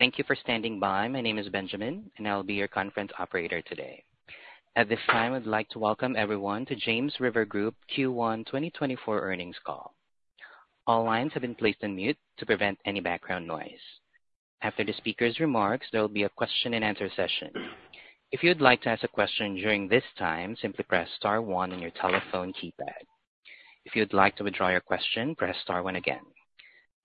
Thank you for standing by. My name is Benjamin, and I'll be your conference operator today. At this time, I'd like to welcome everyone to James River Group Q1 2024 Earnings Call. All lines have been placed on mute to prevent any background noise. After the speaker's remarks, there will be a question and answer session. If you'd like to ask a question during this time, simply press star one on your telephone keypad. If you'd like to withdraw your question, press star one again.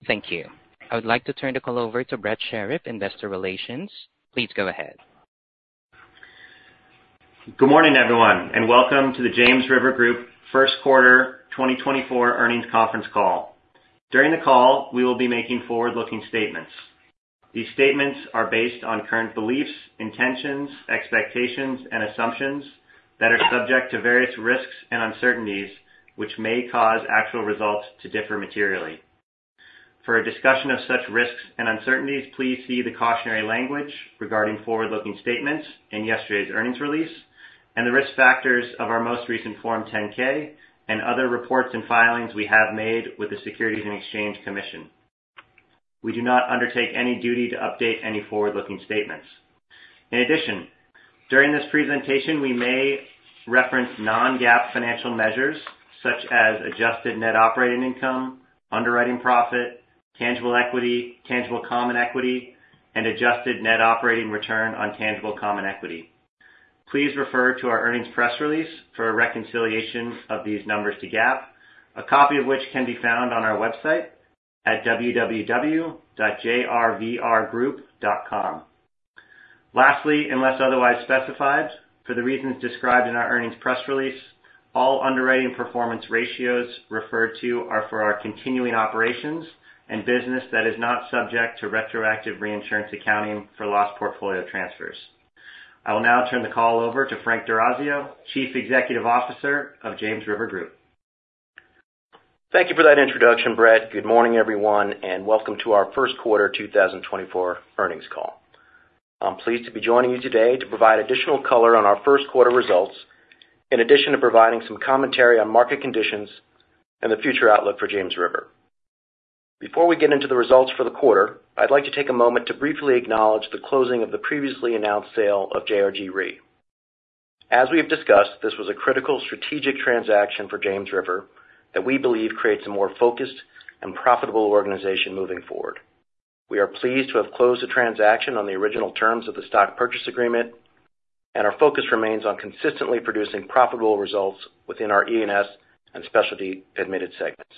Thank you. I would like to turn the call over to Brett Shirreffs, Investor Relations. Please go ahead. Good morning, everyone, and Welcome to the James River Group First Quarter 2024 Earnings Conference Call. During the call, we will be making forward-looking statements. These statements are based on current beliefs, intentions, expectations, and assumptions that are subject to various risks and uncertainties, which may cause actual results to differ materially. For a discussion of such risks and uncertainties, please see the cautionary language regarding forward-looking statements in yesterday's earnings release and the risk factors of our most recent Form 10-K and other reports and filings we have made with the Securities and Exchange Commission. We do not undertake any duty to update any forward-looking statements. In addition, during this presentation, we may reference non-GAAP financial measures such as adjusted net operating income, underwriting profit, tangible equity, tangible common equity, and adjusted net operating return on tangible common equity. Please refer to our earnings press release for a reconciliation of these numbers to GAAP, a copy of which can be found on our website at www.jrvrgroup.com. Lastly, unless otherwise specified, for the reasons described in our earnings press release, all underwriting performance ratios referred to are for our continuing operations and business that is not subject to retroactive reinsurance accounting for lost portfolio transfers. I will now turn the call over to Frank D'Orazio, Chief Executive Officer of James River Group. Thank you for that introduction, Brett. Good morning, everyone, and Welcome to our First Quarter 2024 Earnings Call. I'm pleased to be joining you today to provide additional color on our first quarter results, in addition to providing some commentary on market conditions and the future outlook for James River. Before we get into the results for the quarter, I'd like to take a moment to briefly acknowledge the closing of the previously announced sale of JRG Re. As we have discussed, this was a critical strategic transaction for James River that we believe creates a more focused and profitable organization moving forward. We are pleased to have closed the transaction on the original terms of the stock purchase agreement, and our focus remains on consistently producing profitable results within our E&S and specialty admitted segments,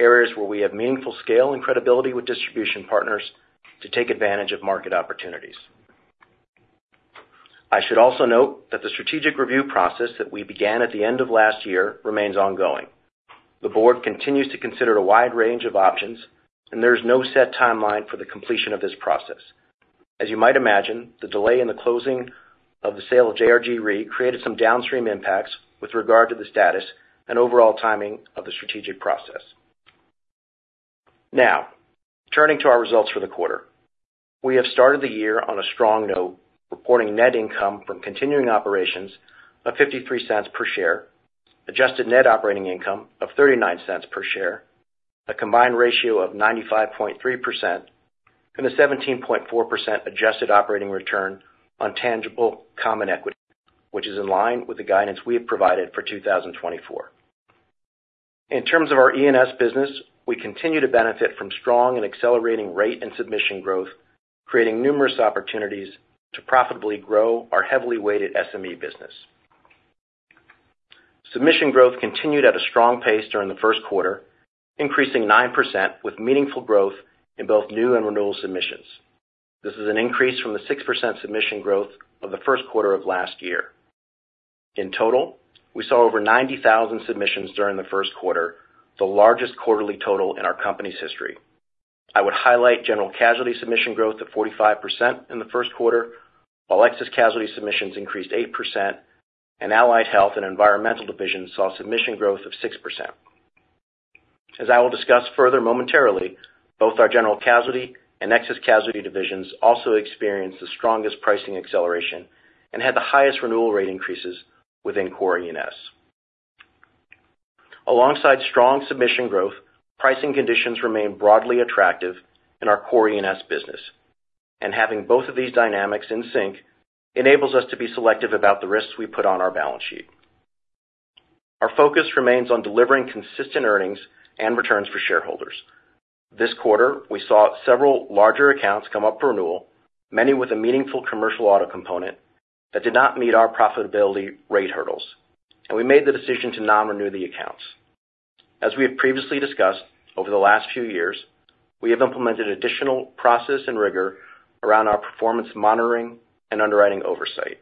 areas where we have meaningful scale and credibility with distribution partners to take advantage of market opportunities. I should also note that the strategic review process that we began at the end of last year remains ongoing. The board continues to consider a wide range of options, and there's no set timeline for the completion of this process. As you might imagine, the delay in the closing of the sale of JRG Re created some downstream impacts with regard to the status and overall timing of the strategic process. Now, turning to our results for the quarter. We have started the year on a strong note, reporting net income from continuing operations of $0.53 per share, adjusted net operating income of $0.39 per share, a combined ratio of 95.3%, and a 17.4% adjusted operating return on tangible common equity, which is in line with the guidance we have provided for 2024. In terms of our E&S business, we continue to benefit from strong and accelerating rate and submission growth, creating numerous opportunities to profitably grow our heavily weighted SME business. Submission growth continued at a strong pace during the first quarter, increasing 9% with meaningful growth in both new and renewal submissions. This is an increase from the 6% submission growth of the first quarter of last year. In total, we saw over 90,000 submissions during the first quarter, the largest quarterly total in our company's history. I would highlight General Casualty submission growth of 45% in the first quarter, while Excess Casualty submissions increased 8%, and Allied Health and Environmental Division saw submission growth of 6%. As I will discuss further momentarily, both our General Casualty and Excess Casualty divisions also experienced the strongest pricing acceleration and had the highest renewal rate increases within Core E&S. Alongside strong submission growth, pricing conditions remain broadly attractive in our core E&S business, and having both of these dynamics in sync enables us to be selective about the risks we put on our balance sheet. Our focus remains on delivering consistent earnings and returns for shareholders. This quarter, we saw several larger accounts come up for renewal, many with a meaningful Commercial Auto component that did not meet our profitability rate hurdles, and we made the decision to non-renew the accounts. As we have previously discussed over the last few years, we have implemented additional process and rigor around our performance monitoring and underwriting oversight,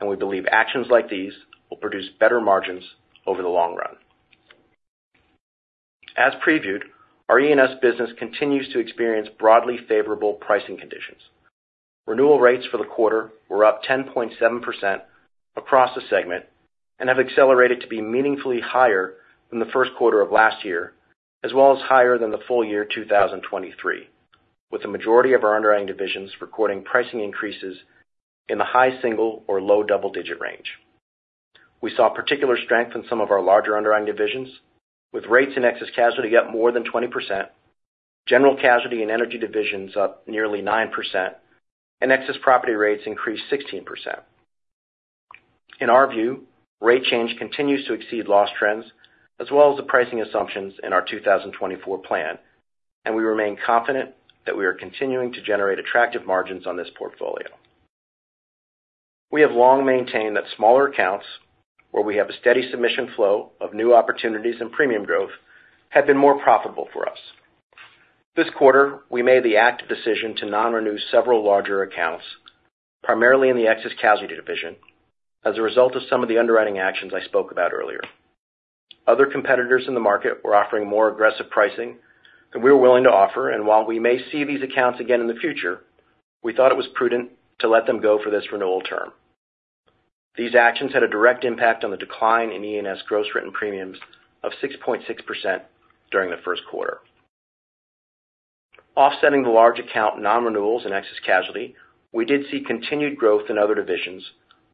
and we believe actions like these will produce better margins over the long run. As previewed, our E&S business continues to experience broadly favorable pricing conditions. Renewal rates for the quarter were up 10.7% across the segment and have accelerated to be meaningfully higher than the first quarter of last year, as well as higher than the full year 2023, with the majority of our underwriting divisions recording pricing increases in the high single or low double-digit range. We saw particular strength in some of our larger underwriting divisions, with rates in Excess Casualty up more than 20%, General Casualty and Energy divisions up nearly 9%, and Excess Property rates increased 16%. In our view, rate change continues to exceed loss trends, as well as the pricing assumptions in our 2024 plan, and we remain confident that we are continuing to generate attractive margins on this portfolio. We have long maintained that smaller accounts, where we have a steady submission flow of new opportunities and premium growth, have been more profitable for us. This quarter, we made the active decision to non-renew several larger accounts, primarily in the Excess Casualty division, as a result of some of the underwriting actions I spoke about earlier. Other competitors in the market were offering more aggressive pricing than we were willing to offer, and while we may see these accounts again in the future, we thought it was prudent to let them go for this renewal term. These actions had a direct impact on the decline in E&S gross written premiums of 6.6% during the first quarter. Offsetting the large account non-renewals in excess casualty, we did see continued growth in other divisions,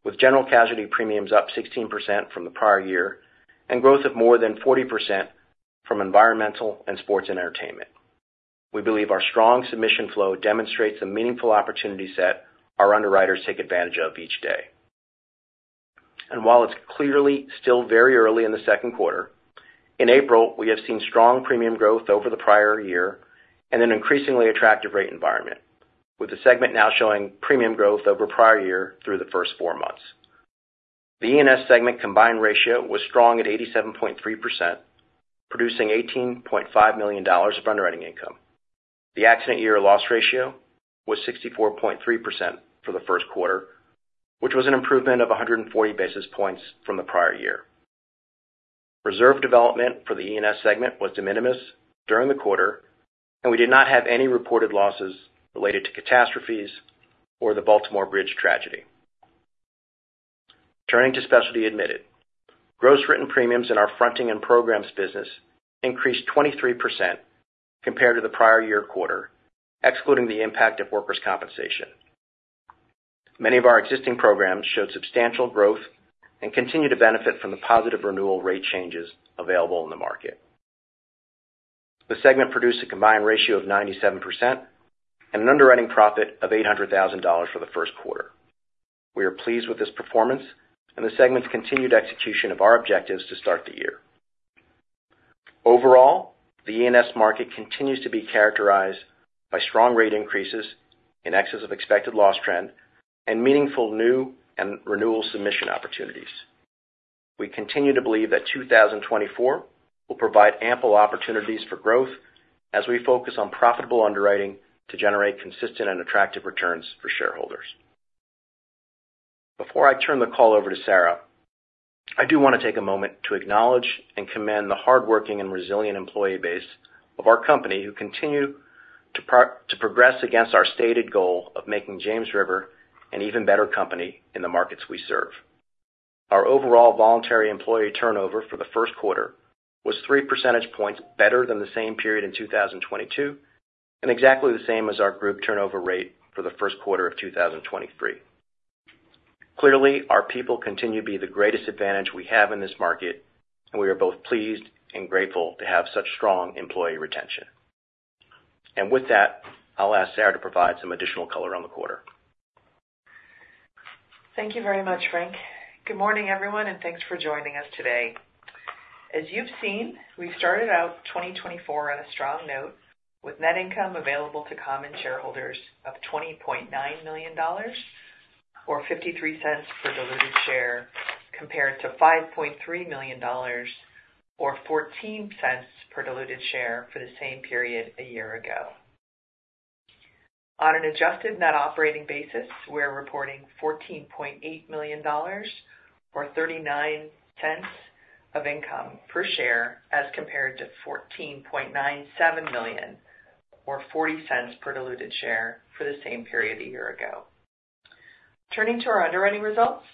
with general casualty premiums up 16% from the prior year and growth of more than 40% from Environmental and Sports and Entertainment. We believe our strong submission flow demonstrates a meaningful opportunity set our underwriters take advantage of each day. While it's clearly still very early in the second quarter, in April, we have seen strong premium growth over the prior year and an increasingly attractive rate environment, with the segment now showing premium growth over prior year through the first four months. The E&S segment combined ratio was strong at 87.3%, producing $18.5 million of underwriting income. The accident year loss ratio was 64.3% for the first quarter, which was an improvement of 140 basis points from the prior year. Reserve development for the E&S segment was de minimis during the quarter, and we did not have any reported losses related to catastrophes or the Baltimore Bridge tragedy. Turning to specialty admitted. Gross written premiums in our fronting and programs business increased 23% compared to the prior year quarter, excluding the impact of workers' compensation. Many of our existing programs showed substantial growth and continue to benefit from the positive renewal rate changes available in the market. The segment produced a combined ratio of 97% and an underwriting profit of $800,000 for the first quarter. We are pleased with this performance and the segment's continued execution of our objectives to start the year. Overall, the E&S market continues to be characterized by strong rate increases in excess of expected loss trend and meaningful new and renewal submission opportunities. We continue to believe that 2024 will provide ample opportunities for growth as we focus on profitable underwriting to generate consistent and attractive returns for shareholders. Before I turn the call over to Sarah, I do want to take a moment to acknowledge and commend the hardworking and resilient employee base of our company, who continue to progress against our stated goal of making James River an even better company in the markets we serve. Our overall voluntary employee turnover for the first quarter was three percentage points better than the same period in 2022, and exactly the same as our group turnover rate for the first quarter of 2023. Clearly, our people continue to be the greatest advantage we have in this market, and we are both pleased and grateful to have such strong employee retention. And with that, I'll ask Sarah to provide some additional color on the quarter. Thank you very much, Frank. Good morning, everyone, and thanks for joining us today. As you've seen, we've started out 2024 on a strong note, with net income available to common shareholders of $20.9 million or $0.53 per diluted share, compared to $5.3 million or $0.14 per diluted share for the same period a year ago. On an adjusted net operating basis, we're reporting $14.8 million or $0.39 of income per share, as compared to $14.97 million or $0.40 per diluted share for the same period a year ago. Turning to our underwriting results,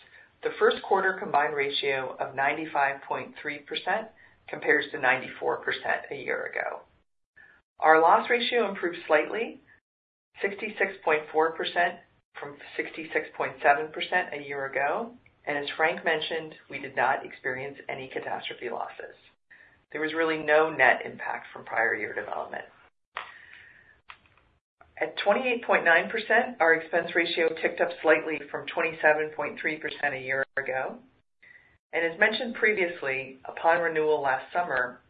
the first quarter combined ratio of 95.3% compares to 94% a year ago. Our loss ratio improved slightly, 66.4% from 66.7% a year ago, and as Frank mentioned, we did not experience any catastrophe losses. There was really no net impact from prior year development. At 28.9%, our expense ratio ticked up slightly from 27.3% a year ago. As mentioned previously, upon renewal last summer,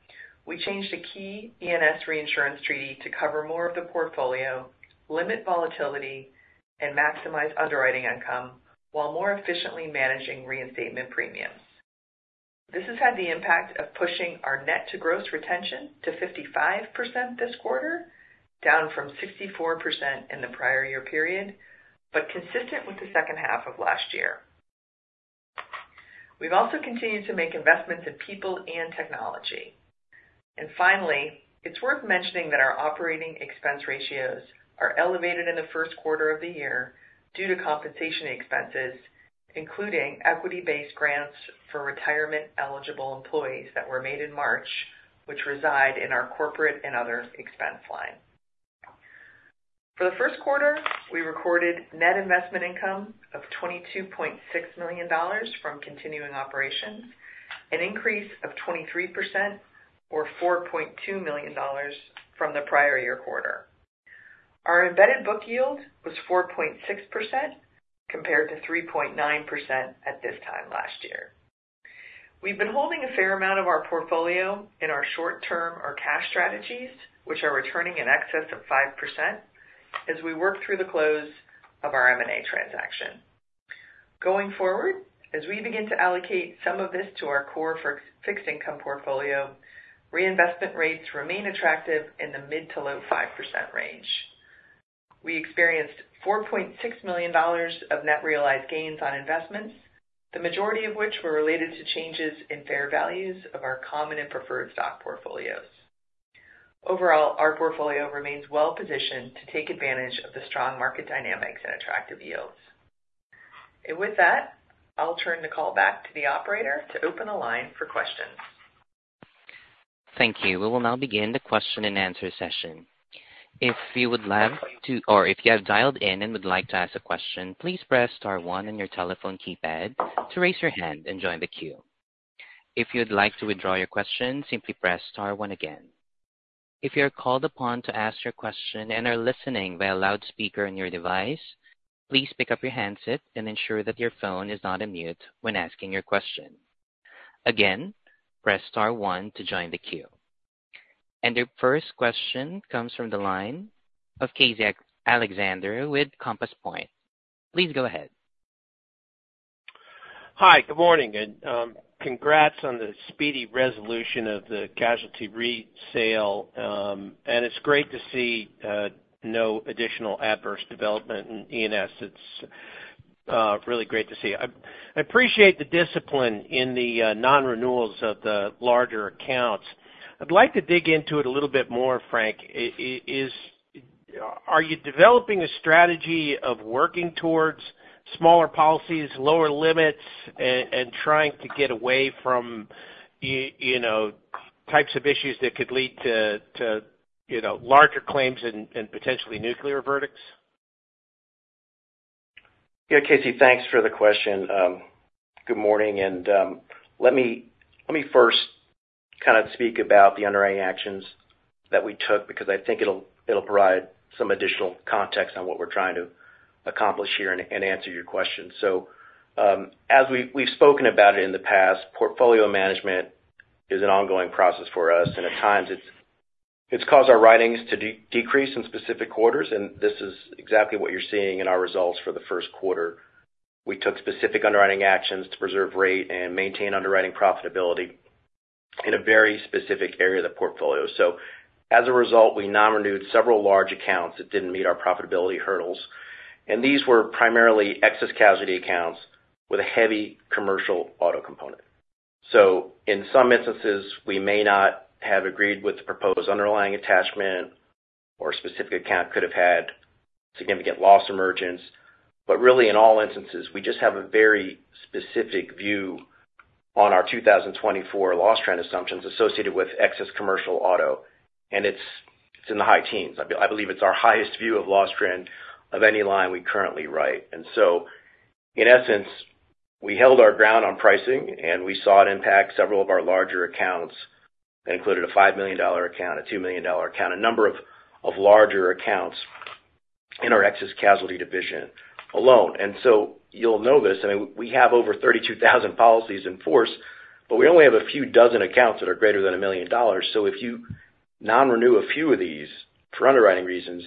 we changed a key E&S reinsurance treaty to cover more of the portfolio, limit volatility, and maximize underwriting income, while more efficiently managing reinstatement premiums. This has had the impact of pushing our net-to-gross retention to 55% this quarter, down from 64% in the prior year period, but consistent with the second half of last year. We've also continued to make investments in people and technology. Finally, it's worth mentioning that our operating expense ratios are elevated in the first quarter of the year due to compensation expenses, including equity-based grants for retirement-eligible employees that were made in March, which reside in our corporate and others expense line. For the first quarter, we recorded net investment income of $22.6 million from continuing operations, an increase of 23% or $4.2 million from the prior year quarter. Our embedded book yield was 4.6%, compared to 3.9% at this time last year. We've been holding a fair amount of our portfolio in our short term or cash strategies, which are returning in excess of 5% as we work through the close of our M&A transaction. Going forward, as we begin to allocate some of this to our core fixed income portfolio, reinvestment rates remain attractive in the mid- to low-5% range. We experienced $4.6 million of net realized gains on investments, the majority of which were related to changes in fair values of our common and preferred stock portfolios. Overall, our portfolio remains well-positioned to take advantage of the strong market dynamics and attractive yields. With that, I'll turn the call back to the operator to open the line for questions. Thank you. We will now begin the question and answer session. If you would like to or if you have dialed in and would like to ask a question, please press star one on your telephone keypad to raise your hand and join the queue. If you'd like to withdraw your question, simply press star one again. If you are called upon to ask your question and are listening via loudspeaker on your device, please pick up your handset and ensure that your phone is not on mute when asking your question. Again, press star one to join the queue. The first question comes from the line of Casey Alexander with Compass Point. Please go ahead. Hi, good morning, and congrats on the speedy resolution of the Casualty Re sale. And it's great to see no additional adverse development in E&S. It's really great to see. I appreciate the discipline in the non-renewals of the larger accounts. I'd like to dig into it a little bit more, Frank. Is, are you developing a strategy of working towards smaller policies, lower limits, and trying to get away from, you know, types of issues that could lead to you know, larger claims and potentially nuclear verdicts? Yeah, Casey, thanks for the question. Good morning, and let me first kind of speak about the underwriting actions that we took, because I think it'll provide some additional context on what we're trying to accomplish here and answer your question. So, as we've spoken about it in the past, portfolio management is an ongoing process for us, and at times it's caused our writings to decrease in specific quarters, and this is exactly what you're seeing in our results for the first quarter. We took specific underwriting actions to preserve rate and maintain underwriting profitability in a very specific area of the portfolio. So as a result, we non-renewed several large accounts that didn't meet our profitability hurdles, and these were primarily Excess Casualty accounts with a heavy Commercial Auto component. So in some instances, we may not have agreed with the proposed underlying attachment, or a specific account could have had significant loss emergence. But really, in all instances, we just have a very specific view on our 2024 loss trend assumptions associated with excess Commercial Auto, and it's in the high teens. I believe it's our highest view of loss trend of any line we currently write. And so, in essence, we held our ground on pricing, and we saw it impact several of our larger accounts. That included a $5 million account, a $2 million account, a number of larger accounts in our excess casualty division alone. And so you'll know this, I mean, we have over 32,000 policies in force, but we only have a few dozen accounts that are greater than $1 million. So if you non-renew a few of these for underwriting reasons,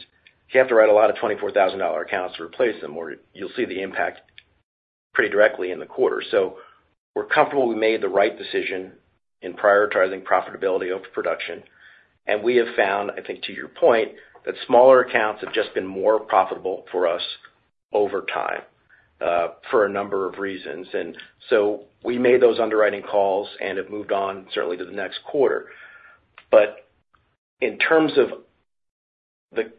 you have to write a lot of $24,000 accounts to replace them, or you'll see the impact pretty directly in the quarter. So we're comfortable we made the right decision in prioritizing profitability over production. And we have found, I think, to your point, that smaller accounts have just been more profitable for us over time, for a number of reasons. And so we made those underwriting calls and have moved on certainly to the next quarter. But in terms of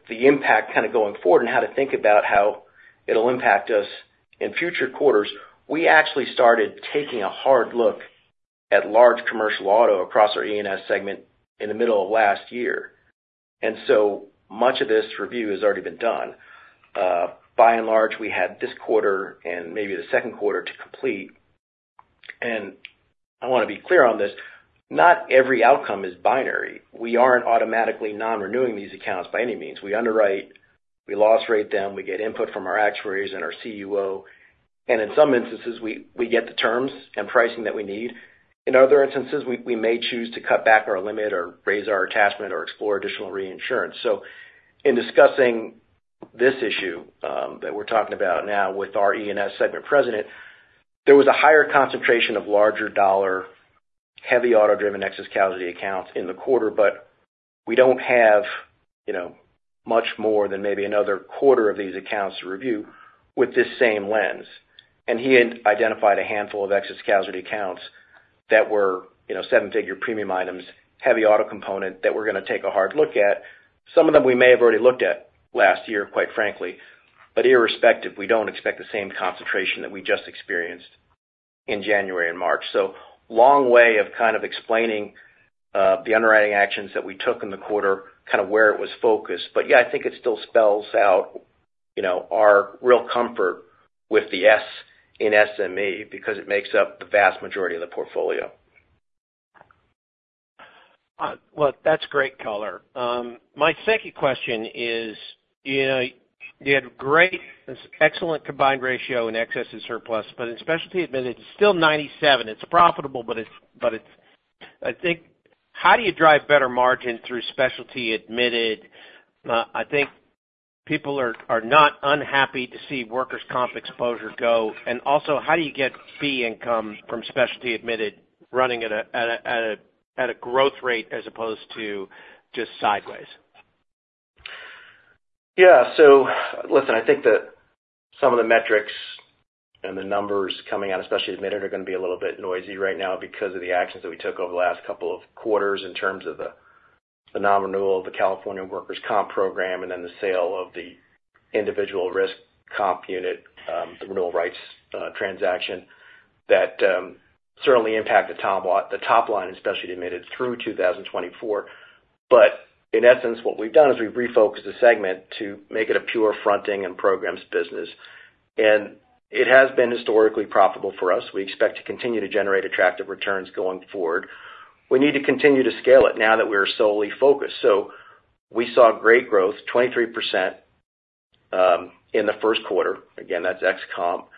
the impact kind of going forward and how to think about how it'll impact us in future quarters, we actually started taking a hard look at large Commercial Auto across our E&S segment in the middle of last year, and so much of this review has already been done. By and large, we had this quarter and maybe the second quarter to complete. I want to be clear on this, not every outcome is binary. We aren't automatically non-renewing these accounts by any means. We underwrite, we loss rate them, we get input from our actuaries and our CUO, and in some instances, we get the terms and pricing that we need. In other instances, we may choose to cut back our limit or raise our attachment or explore additional reinsurance. In discussing this issue that we're talking about now with our E&S segment president, there was a higher concentration of larger-dollar, heavy auto-driven Excess Casualty accounts in the quarter, but we don't have, you know, much more than maybe another quarter of these accounts to review with this same lens. And he had identified a handful of Excess Casualty accounts that were, you know, seven-figure premium items, heavy auto component that we're going to take a hard look at. Some of them we may have already looked at last year, quite frankly, but irrespective, we don't expect the same concentration that we just experienced in January and March. So long way of kind of explaining the underwriting actions that we took in the quarter, kind of where it was focused. But yeah, I think it still spells out, you know, our real comfort with the S in SME, because it makes up the vast majority of the portfolio. Well, that's great color. My second question is: you know, you had excellent combined ratio in excess and surplus, but in specialty admitted, it's still 97%. It's profitable, but it's, I think—how do you drive better margin through specialty admitted? I think people are not unhappy to see workers' comp exposure go. And also, how do you get fee income from specialty admitted running at a growth rate as opposed to just sideways? Yeah. So listen, I think that some of the metrics and the numbers coming out, especially admitted, are going to be a little bit noisy right now because of the actions that we took over the last couple of quarters in terms of the non-renewal of the California Workers' Comp program, and then the sale of the Individual Risk comp unit, the renewal rights transaction, that certainly impact the top line, especially admitted through 2024. But in essence, what we've done is we've refocused the segment to make it a pure fronting and programs business, and it has been historically profitable for us. We expect to continue to generate attractive returns going forward. We need to continue to scale it now that we are solely focused. So we saw great growth, 23%, in the first quarter. Again, that's ex comp.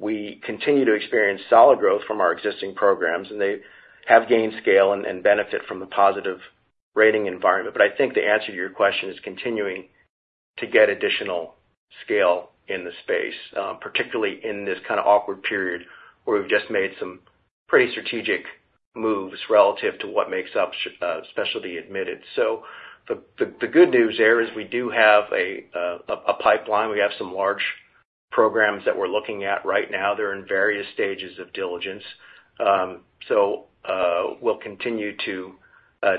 We continue to experience solid growth from our existing programs, and they have gained scale and benefit from the positive rating environment. But I think the answer to your question is continuing to get additional scale in the space, particularly in this kind of awkward period, where we've just made some pretty strategic moves relative to what makes up specialty admitted. So the good news there is we do have a pipeline. We have some large programs that we're looking at right now. They're in various stages of diligence. So we'll continue to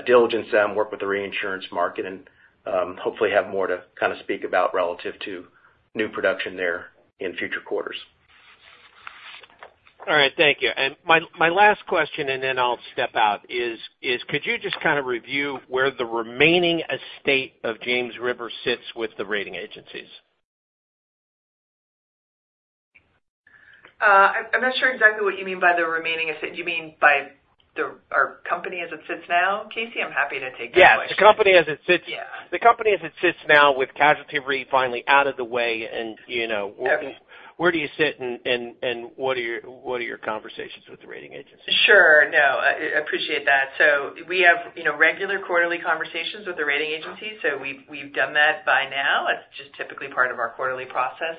diligence them, work with the reinsurance market, and hopefully have more to kind of speak about relative to new production there in future quarters. All right. Thank you. And my last question, and then I'll step out, is could you just kind of review where the remaining estate of James River sits with the rating agencies? I'm not sure exactly what you mean by the remaining estate. Do you mean our company as it sits now? Casey, I'm happy to take that question. Yes, the company as it sits- Yeah. The company as it sits now with casualty rate finally out of the way and, you know- Okay. Where do you sit and what are your conversations with the rating agencies? Sure. No, I appreciate that. So we have, you know, regular quarterly conversations with the rating agencies. So we've done that by now. It's just typically part of our quarterly process,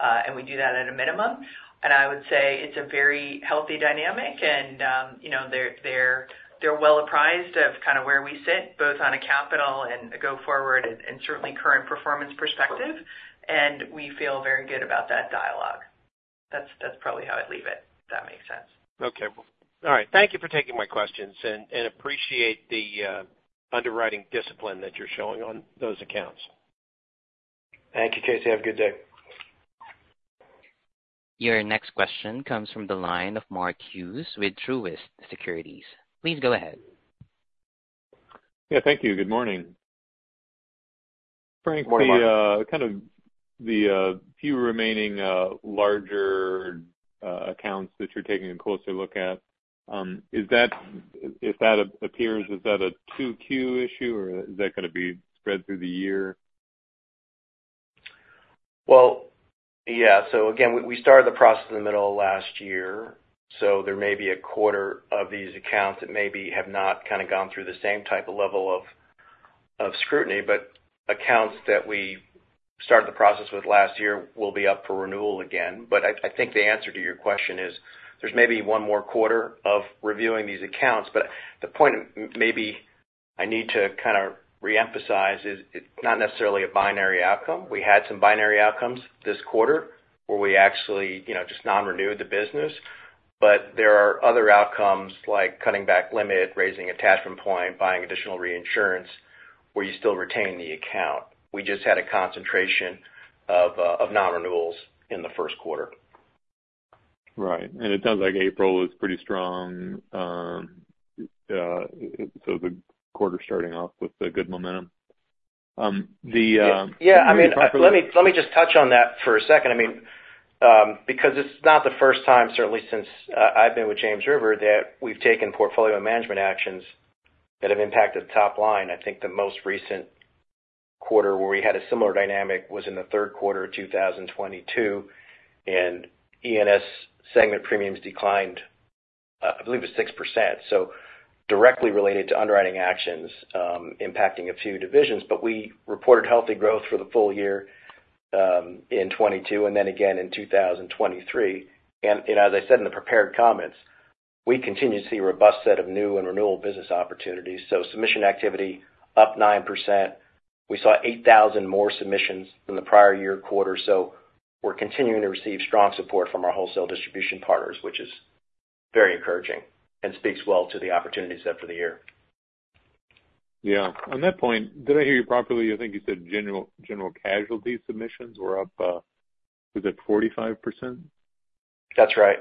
and we do that at a minimum. And I would say it's a very healthy dynamic and, you know, they're well apprised of kind of where we sit, both on a capital and a go-forward and, certainly current performance perspective, and we feel very good about that dialogue. That's probably how I'd leave it, if that makes sense. Okay. All right. Thank you for taking my questions, and appreciate the underwriting discipline that you're showing on those accounts. Thank you, Casey. Have a good day. Your next question comes from the line of Mark Hughes with Truist Securities. Please go ahead. Yeah, thank you. Good morning. Good morning. Frankly, kind of the few remaining larger accounts that you're taking a closer look at, is that, if that appears, is that a 2Q issue, or is that going to be spread through the year? Well, yeah. So again, we started the process in the middle of last year, so there may be a quarter of these accounts that maybe have not kind of gone through the same type of level of scrutiny. But accounts that we started the process with last year will be up for renewal again. But I think the answer to your question is, there's maybe one more quarter of reviewing these accounts, but the point maybe I need to kind of reemphasize is it's not necessarily a binary outcome. We had some binary outcomes this quarter, where we actually, you know, just non-renewed the business. But there are other outcomes like cutting back limit, raising attachment point, buying additional reinsurance, where you still retain the account. We just had a concentration of non-renewals in the first quarter. Right. And it sounds like April was pretty strong, so the quarter starting off with the good momentum. Yeah, I mean, let me, let me just touch on that for a second. I mean, because it's not the first time, certainly since I've been with James River, that we've taken portfolio management actions that have impacted the top line. I think the most recent quarter where we had a similar dynamic was in the third quarter of 2022, and E&S segment premiums declined, I believe it was 6%. So directly related to underwriting actions, impacting a few divisions, but we reported healthy growth for the full year, in 2022 and then again in 2023. And, you know, as I said in the prepared comments, we continue to see a robust set of new and renewal business opportunities. So submission activity up 9%. We saw 8,000 more submissions than the prior year quarter, so we're continuing to receive strong support from our wholesale distribution partners, which is very encouraging and speaks well to the opportunities set for the year. Yeah, on that point, did I hear you properly? I think you said General Casualty submissions were up, was it 45%? That's right.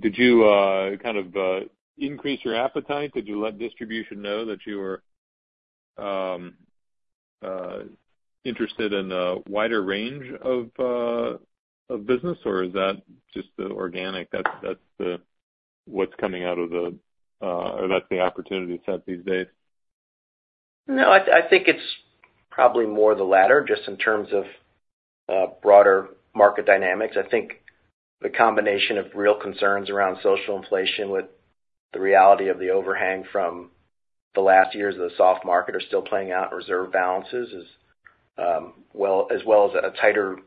Did you kind of increase your appetite? Did you let distribution know that you were interested in a wider range of business, or is that just the organic? That's what's coming out of the, or that's the opportunity set these days? No, I, I think it's probably more the latter, just in terms of, broader market dynamics. I think the combination of real concerns around social inflation with the reality of the overhang from the last years of the soft market are still playing out in reserve balances as, well, as well as a tighter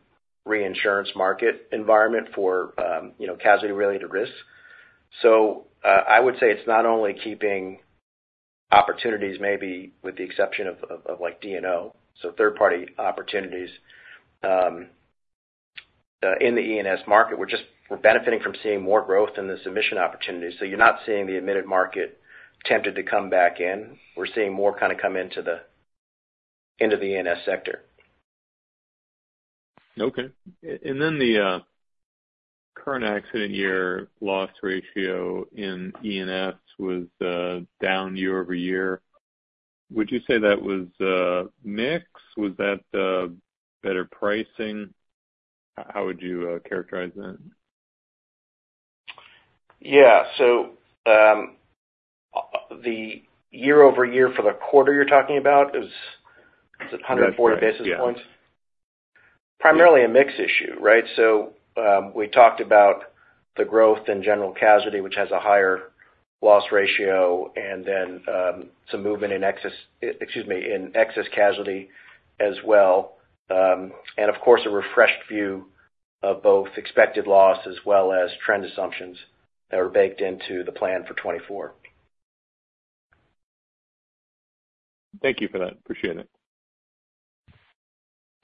reinsurance market environment for, you know, casualty-related risks. So, I would say it's not only keeping opportunities, maybe with the exception of, like D&O, so third-party opportunities, in the E&S market, we're benefiting from seeing more growth in the submission opportunities. So you're not seeing the admitted market tempted to come back in. We're seeing more kind of come into the E&S sector. Okay. And then the current accident year loss ratio in E&S was down year-over-year. Would you say that was mix? Was that better pricing? How would you characterize that? Yeah. So, the year-over-year for the quarter you're talking about is, is it 140 basis points? Yeah. Primarily a mix issue, right? So, we talked about the growth in General Casualty, which has a higher loss ratio, and then, some movement in Excess Casualty as well. And of course, a refreshed view of both expected loss as well as trend assumptions that were baked into the plan for 2024. Thank you for that. Appreciate it.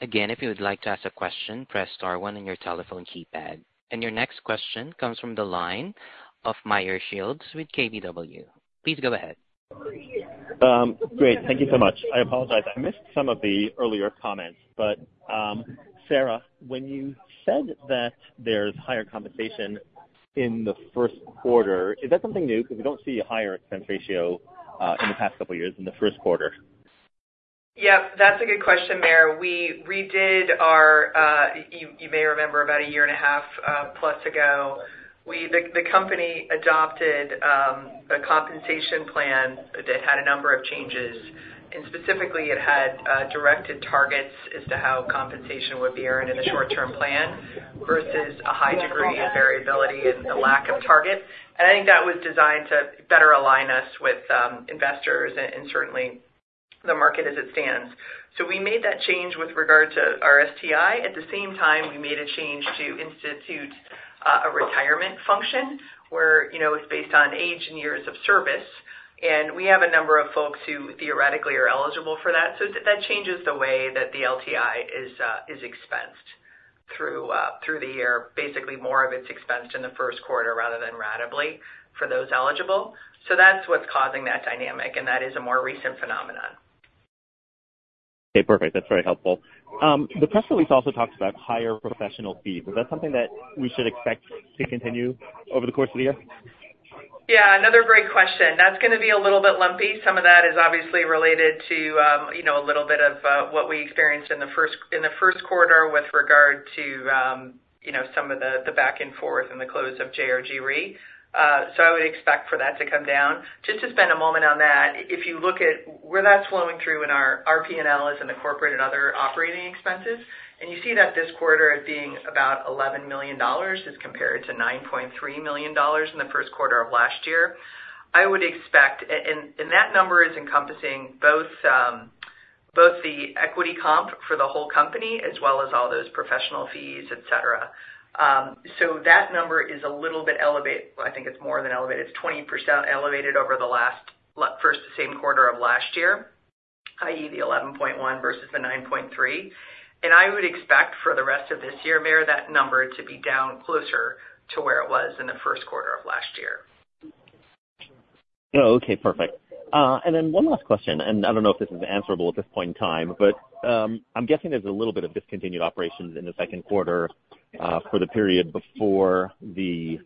Again, if you would like to ask a question, press star one on your telephone keypad. Your next question comes from the line of Meyer Shields with KBW. Please go ahead. Great. Thank you so much. I apologize I missed some of the earlier comments, but, Sarah, when you said that there's higher compensation in the first quarter, is that something new? Because we don't see a higher expense ratio, in the past couple of years in the first quarter. Yep, that's a good question, Meyer. We redid our, you may remember about a year and a half, plus ago, the company adopted a compensation plan that had a number of changes, and specifically it had directed targets as to how compensation would be earned in the short-term plan, versus a high degree of variability and the lack of target. And I think that was designed to better align us with investors and certainly the market as it stands. So we made that change with regard to our STI. At the same time, we made a change to institute a retirement function, where, you know, it's based on age and years of service, and we have a number of folks who theoretically are eligible for that. So that changes the way that the LTI is expensed through the year. Basically, more of it's expensed in the first quarter rather than ratably for those eligible. So that's what's causing that dynamic, and that is a more recent phenomenon. Okay, perfect. That's very helpful. The press release also talks about higher professional fees. Is that something that we should expect to continue over the course of the year? Yeah, another great question. That's gonna be a little bit lumpy. Some of that is obviously related to, you know, a little bit of what we experienced in the first quarter with regard to, you know, some of the back and forth and the close of JRG Re. So I would expect for that to come down. Just to spend a moment on that, if you look at where that's flowing through in our P&L is in the corporate and other operating expenses, and you see that this quarter it being about $11 million as compared to $9.3 million in the first quarter of last year. I would expect... And that number is encompassing both the equity comp for the whole company, as well as all those professional fees, et cetera. So that number is a little bit elevated. I think it's more than elevated. It's 20% elevated over the first same quarter of last year, i.e., the $11.1 million versus the $9.3 million. And I would expect for the rest of this year, Meyer, that number to be down closer to where it was in the first quarter of last year. Oh, okay, perfect. And then one last question, and I don't know if this is answerable at this point in time, but, I'm guessing there's a little bit of discontinued operations in the second quarter, for the period before the,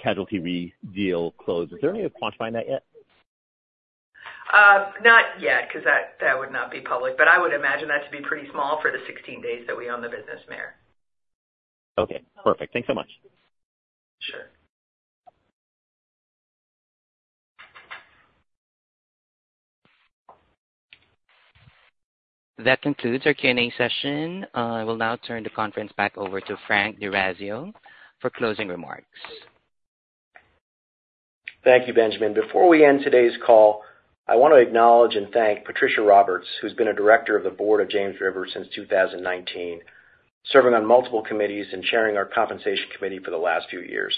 Casualty Re deal closed. Is there any way of quantifying that yet? Not yet, 'cause that would not be public, but I would imagine that to be pretty small for the 16 days that we owned the business, Meyer. Okay, perfect. Thanks so much. Sure. That concludes our Q&A session. I will now turn the conference back over to Frank D'Orazio for closing remarks. Thank you, Benjamin. Before we end today's call, I want to acknowledge and thank Patricia Roberts, who's been a director of the board of James River since 2019, serving on multiple committees and chairing our compensation committee for the last few years.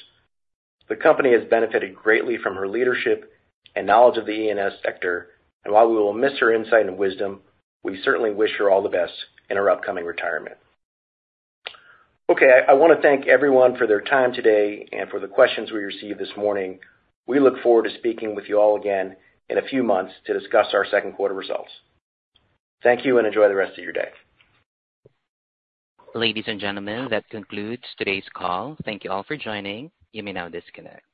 The company has benefited greatly from her leadership and knowledge of the E&S sector, and while we will miss her insight and wisdom, we certainly wish her all the best in her upcoming retirement. Okay, I want to thank everyone for their time today and for the questions we received this morning. We look forward to speaking with you all again in a few months to discuss our second quarter results. Thank you, and enjoy the rest of your day. Ladies and gentlemen, that concludes today's call. Thank you all for joining. You may now disconnect.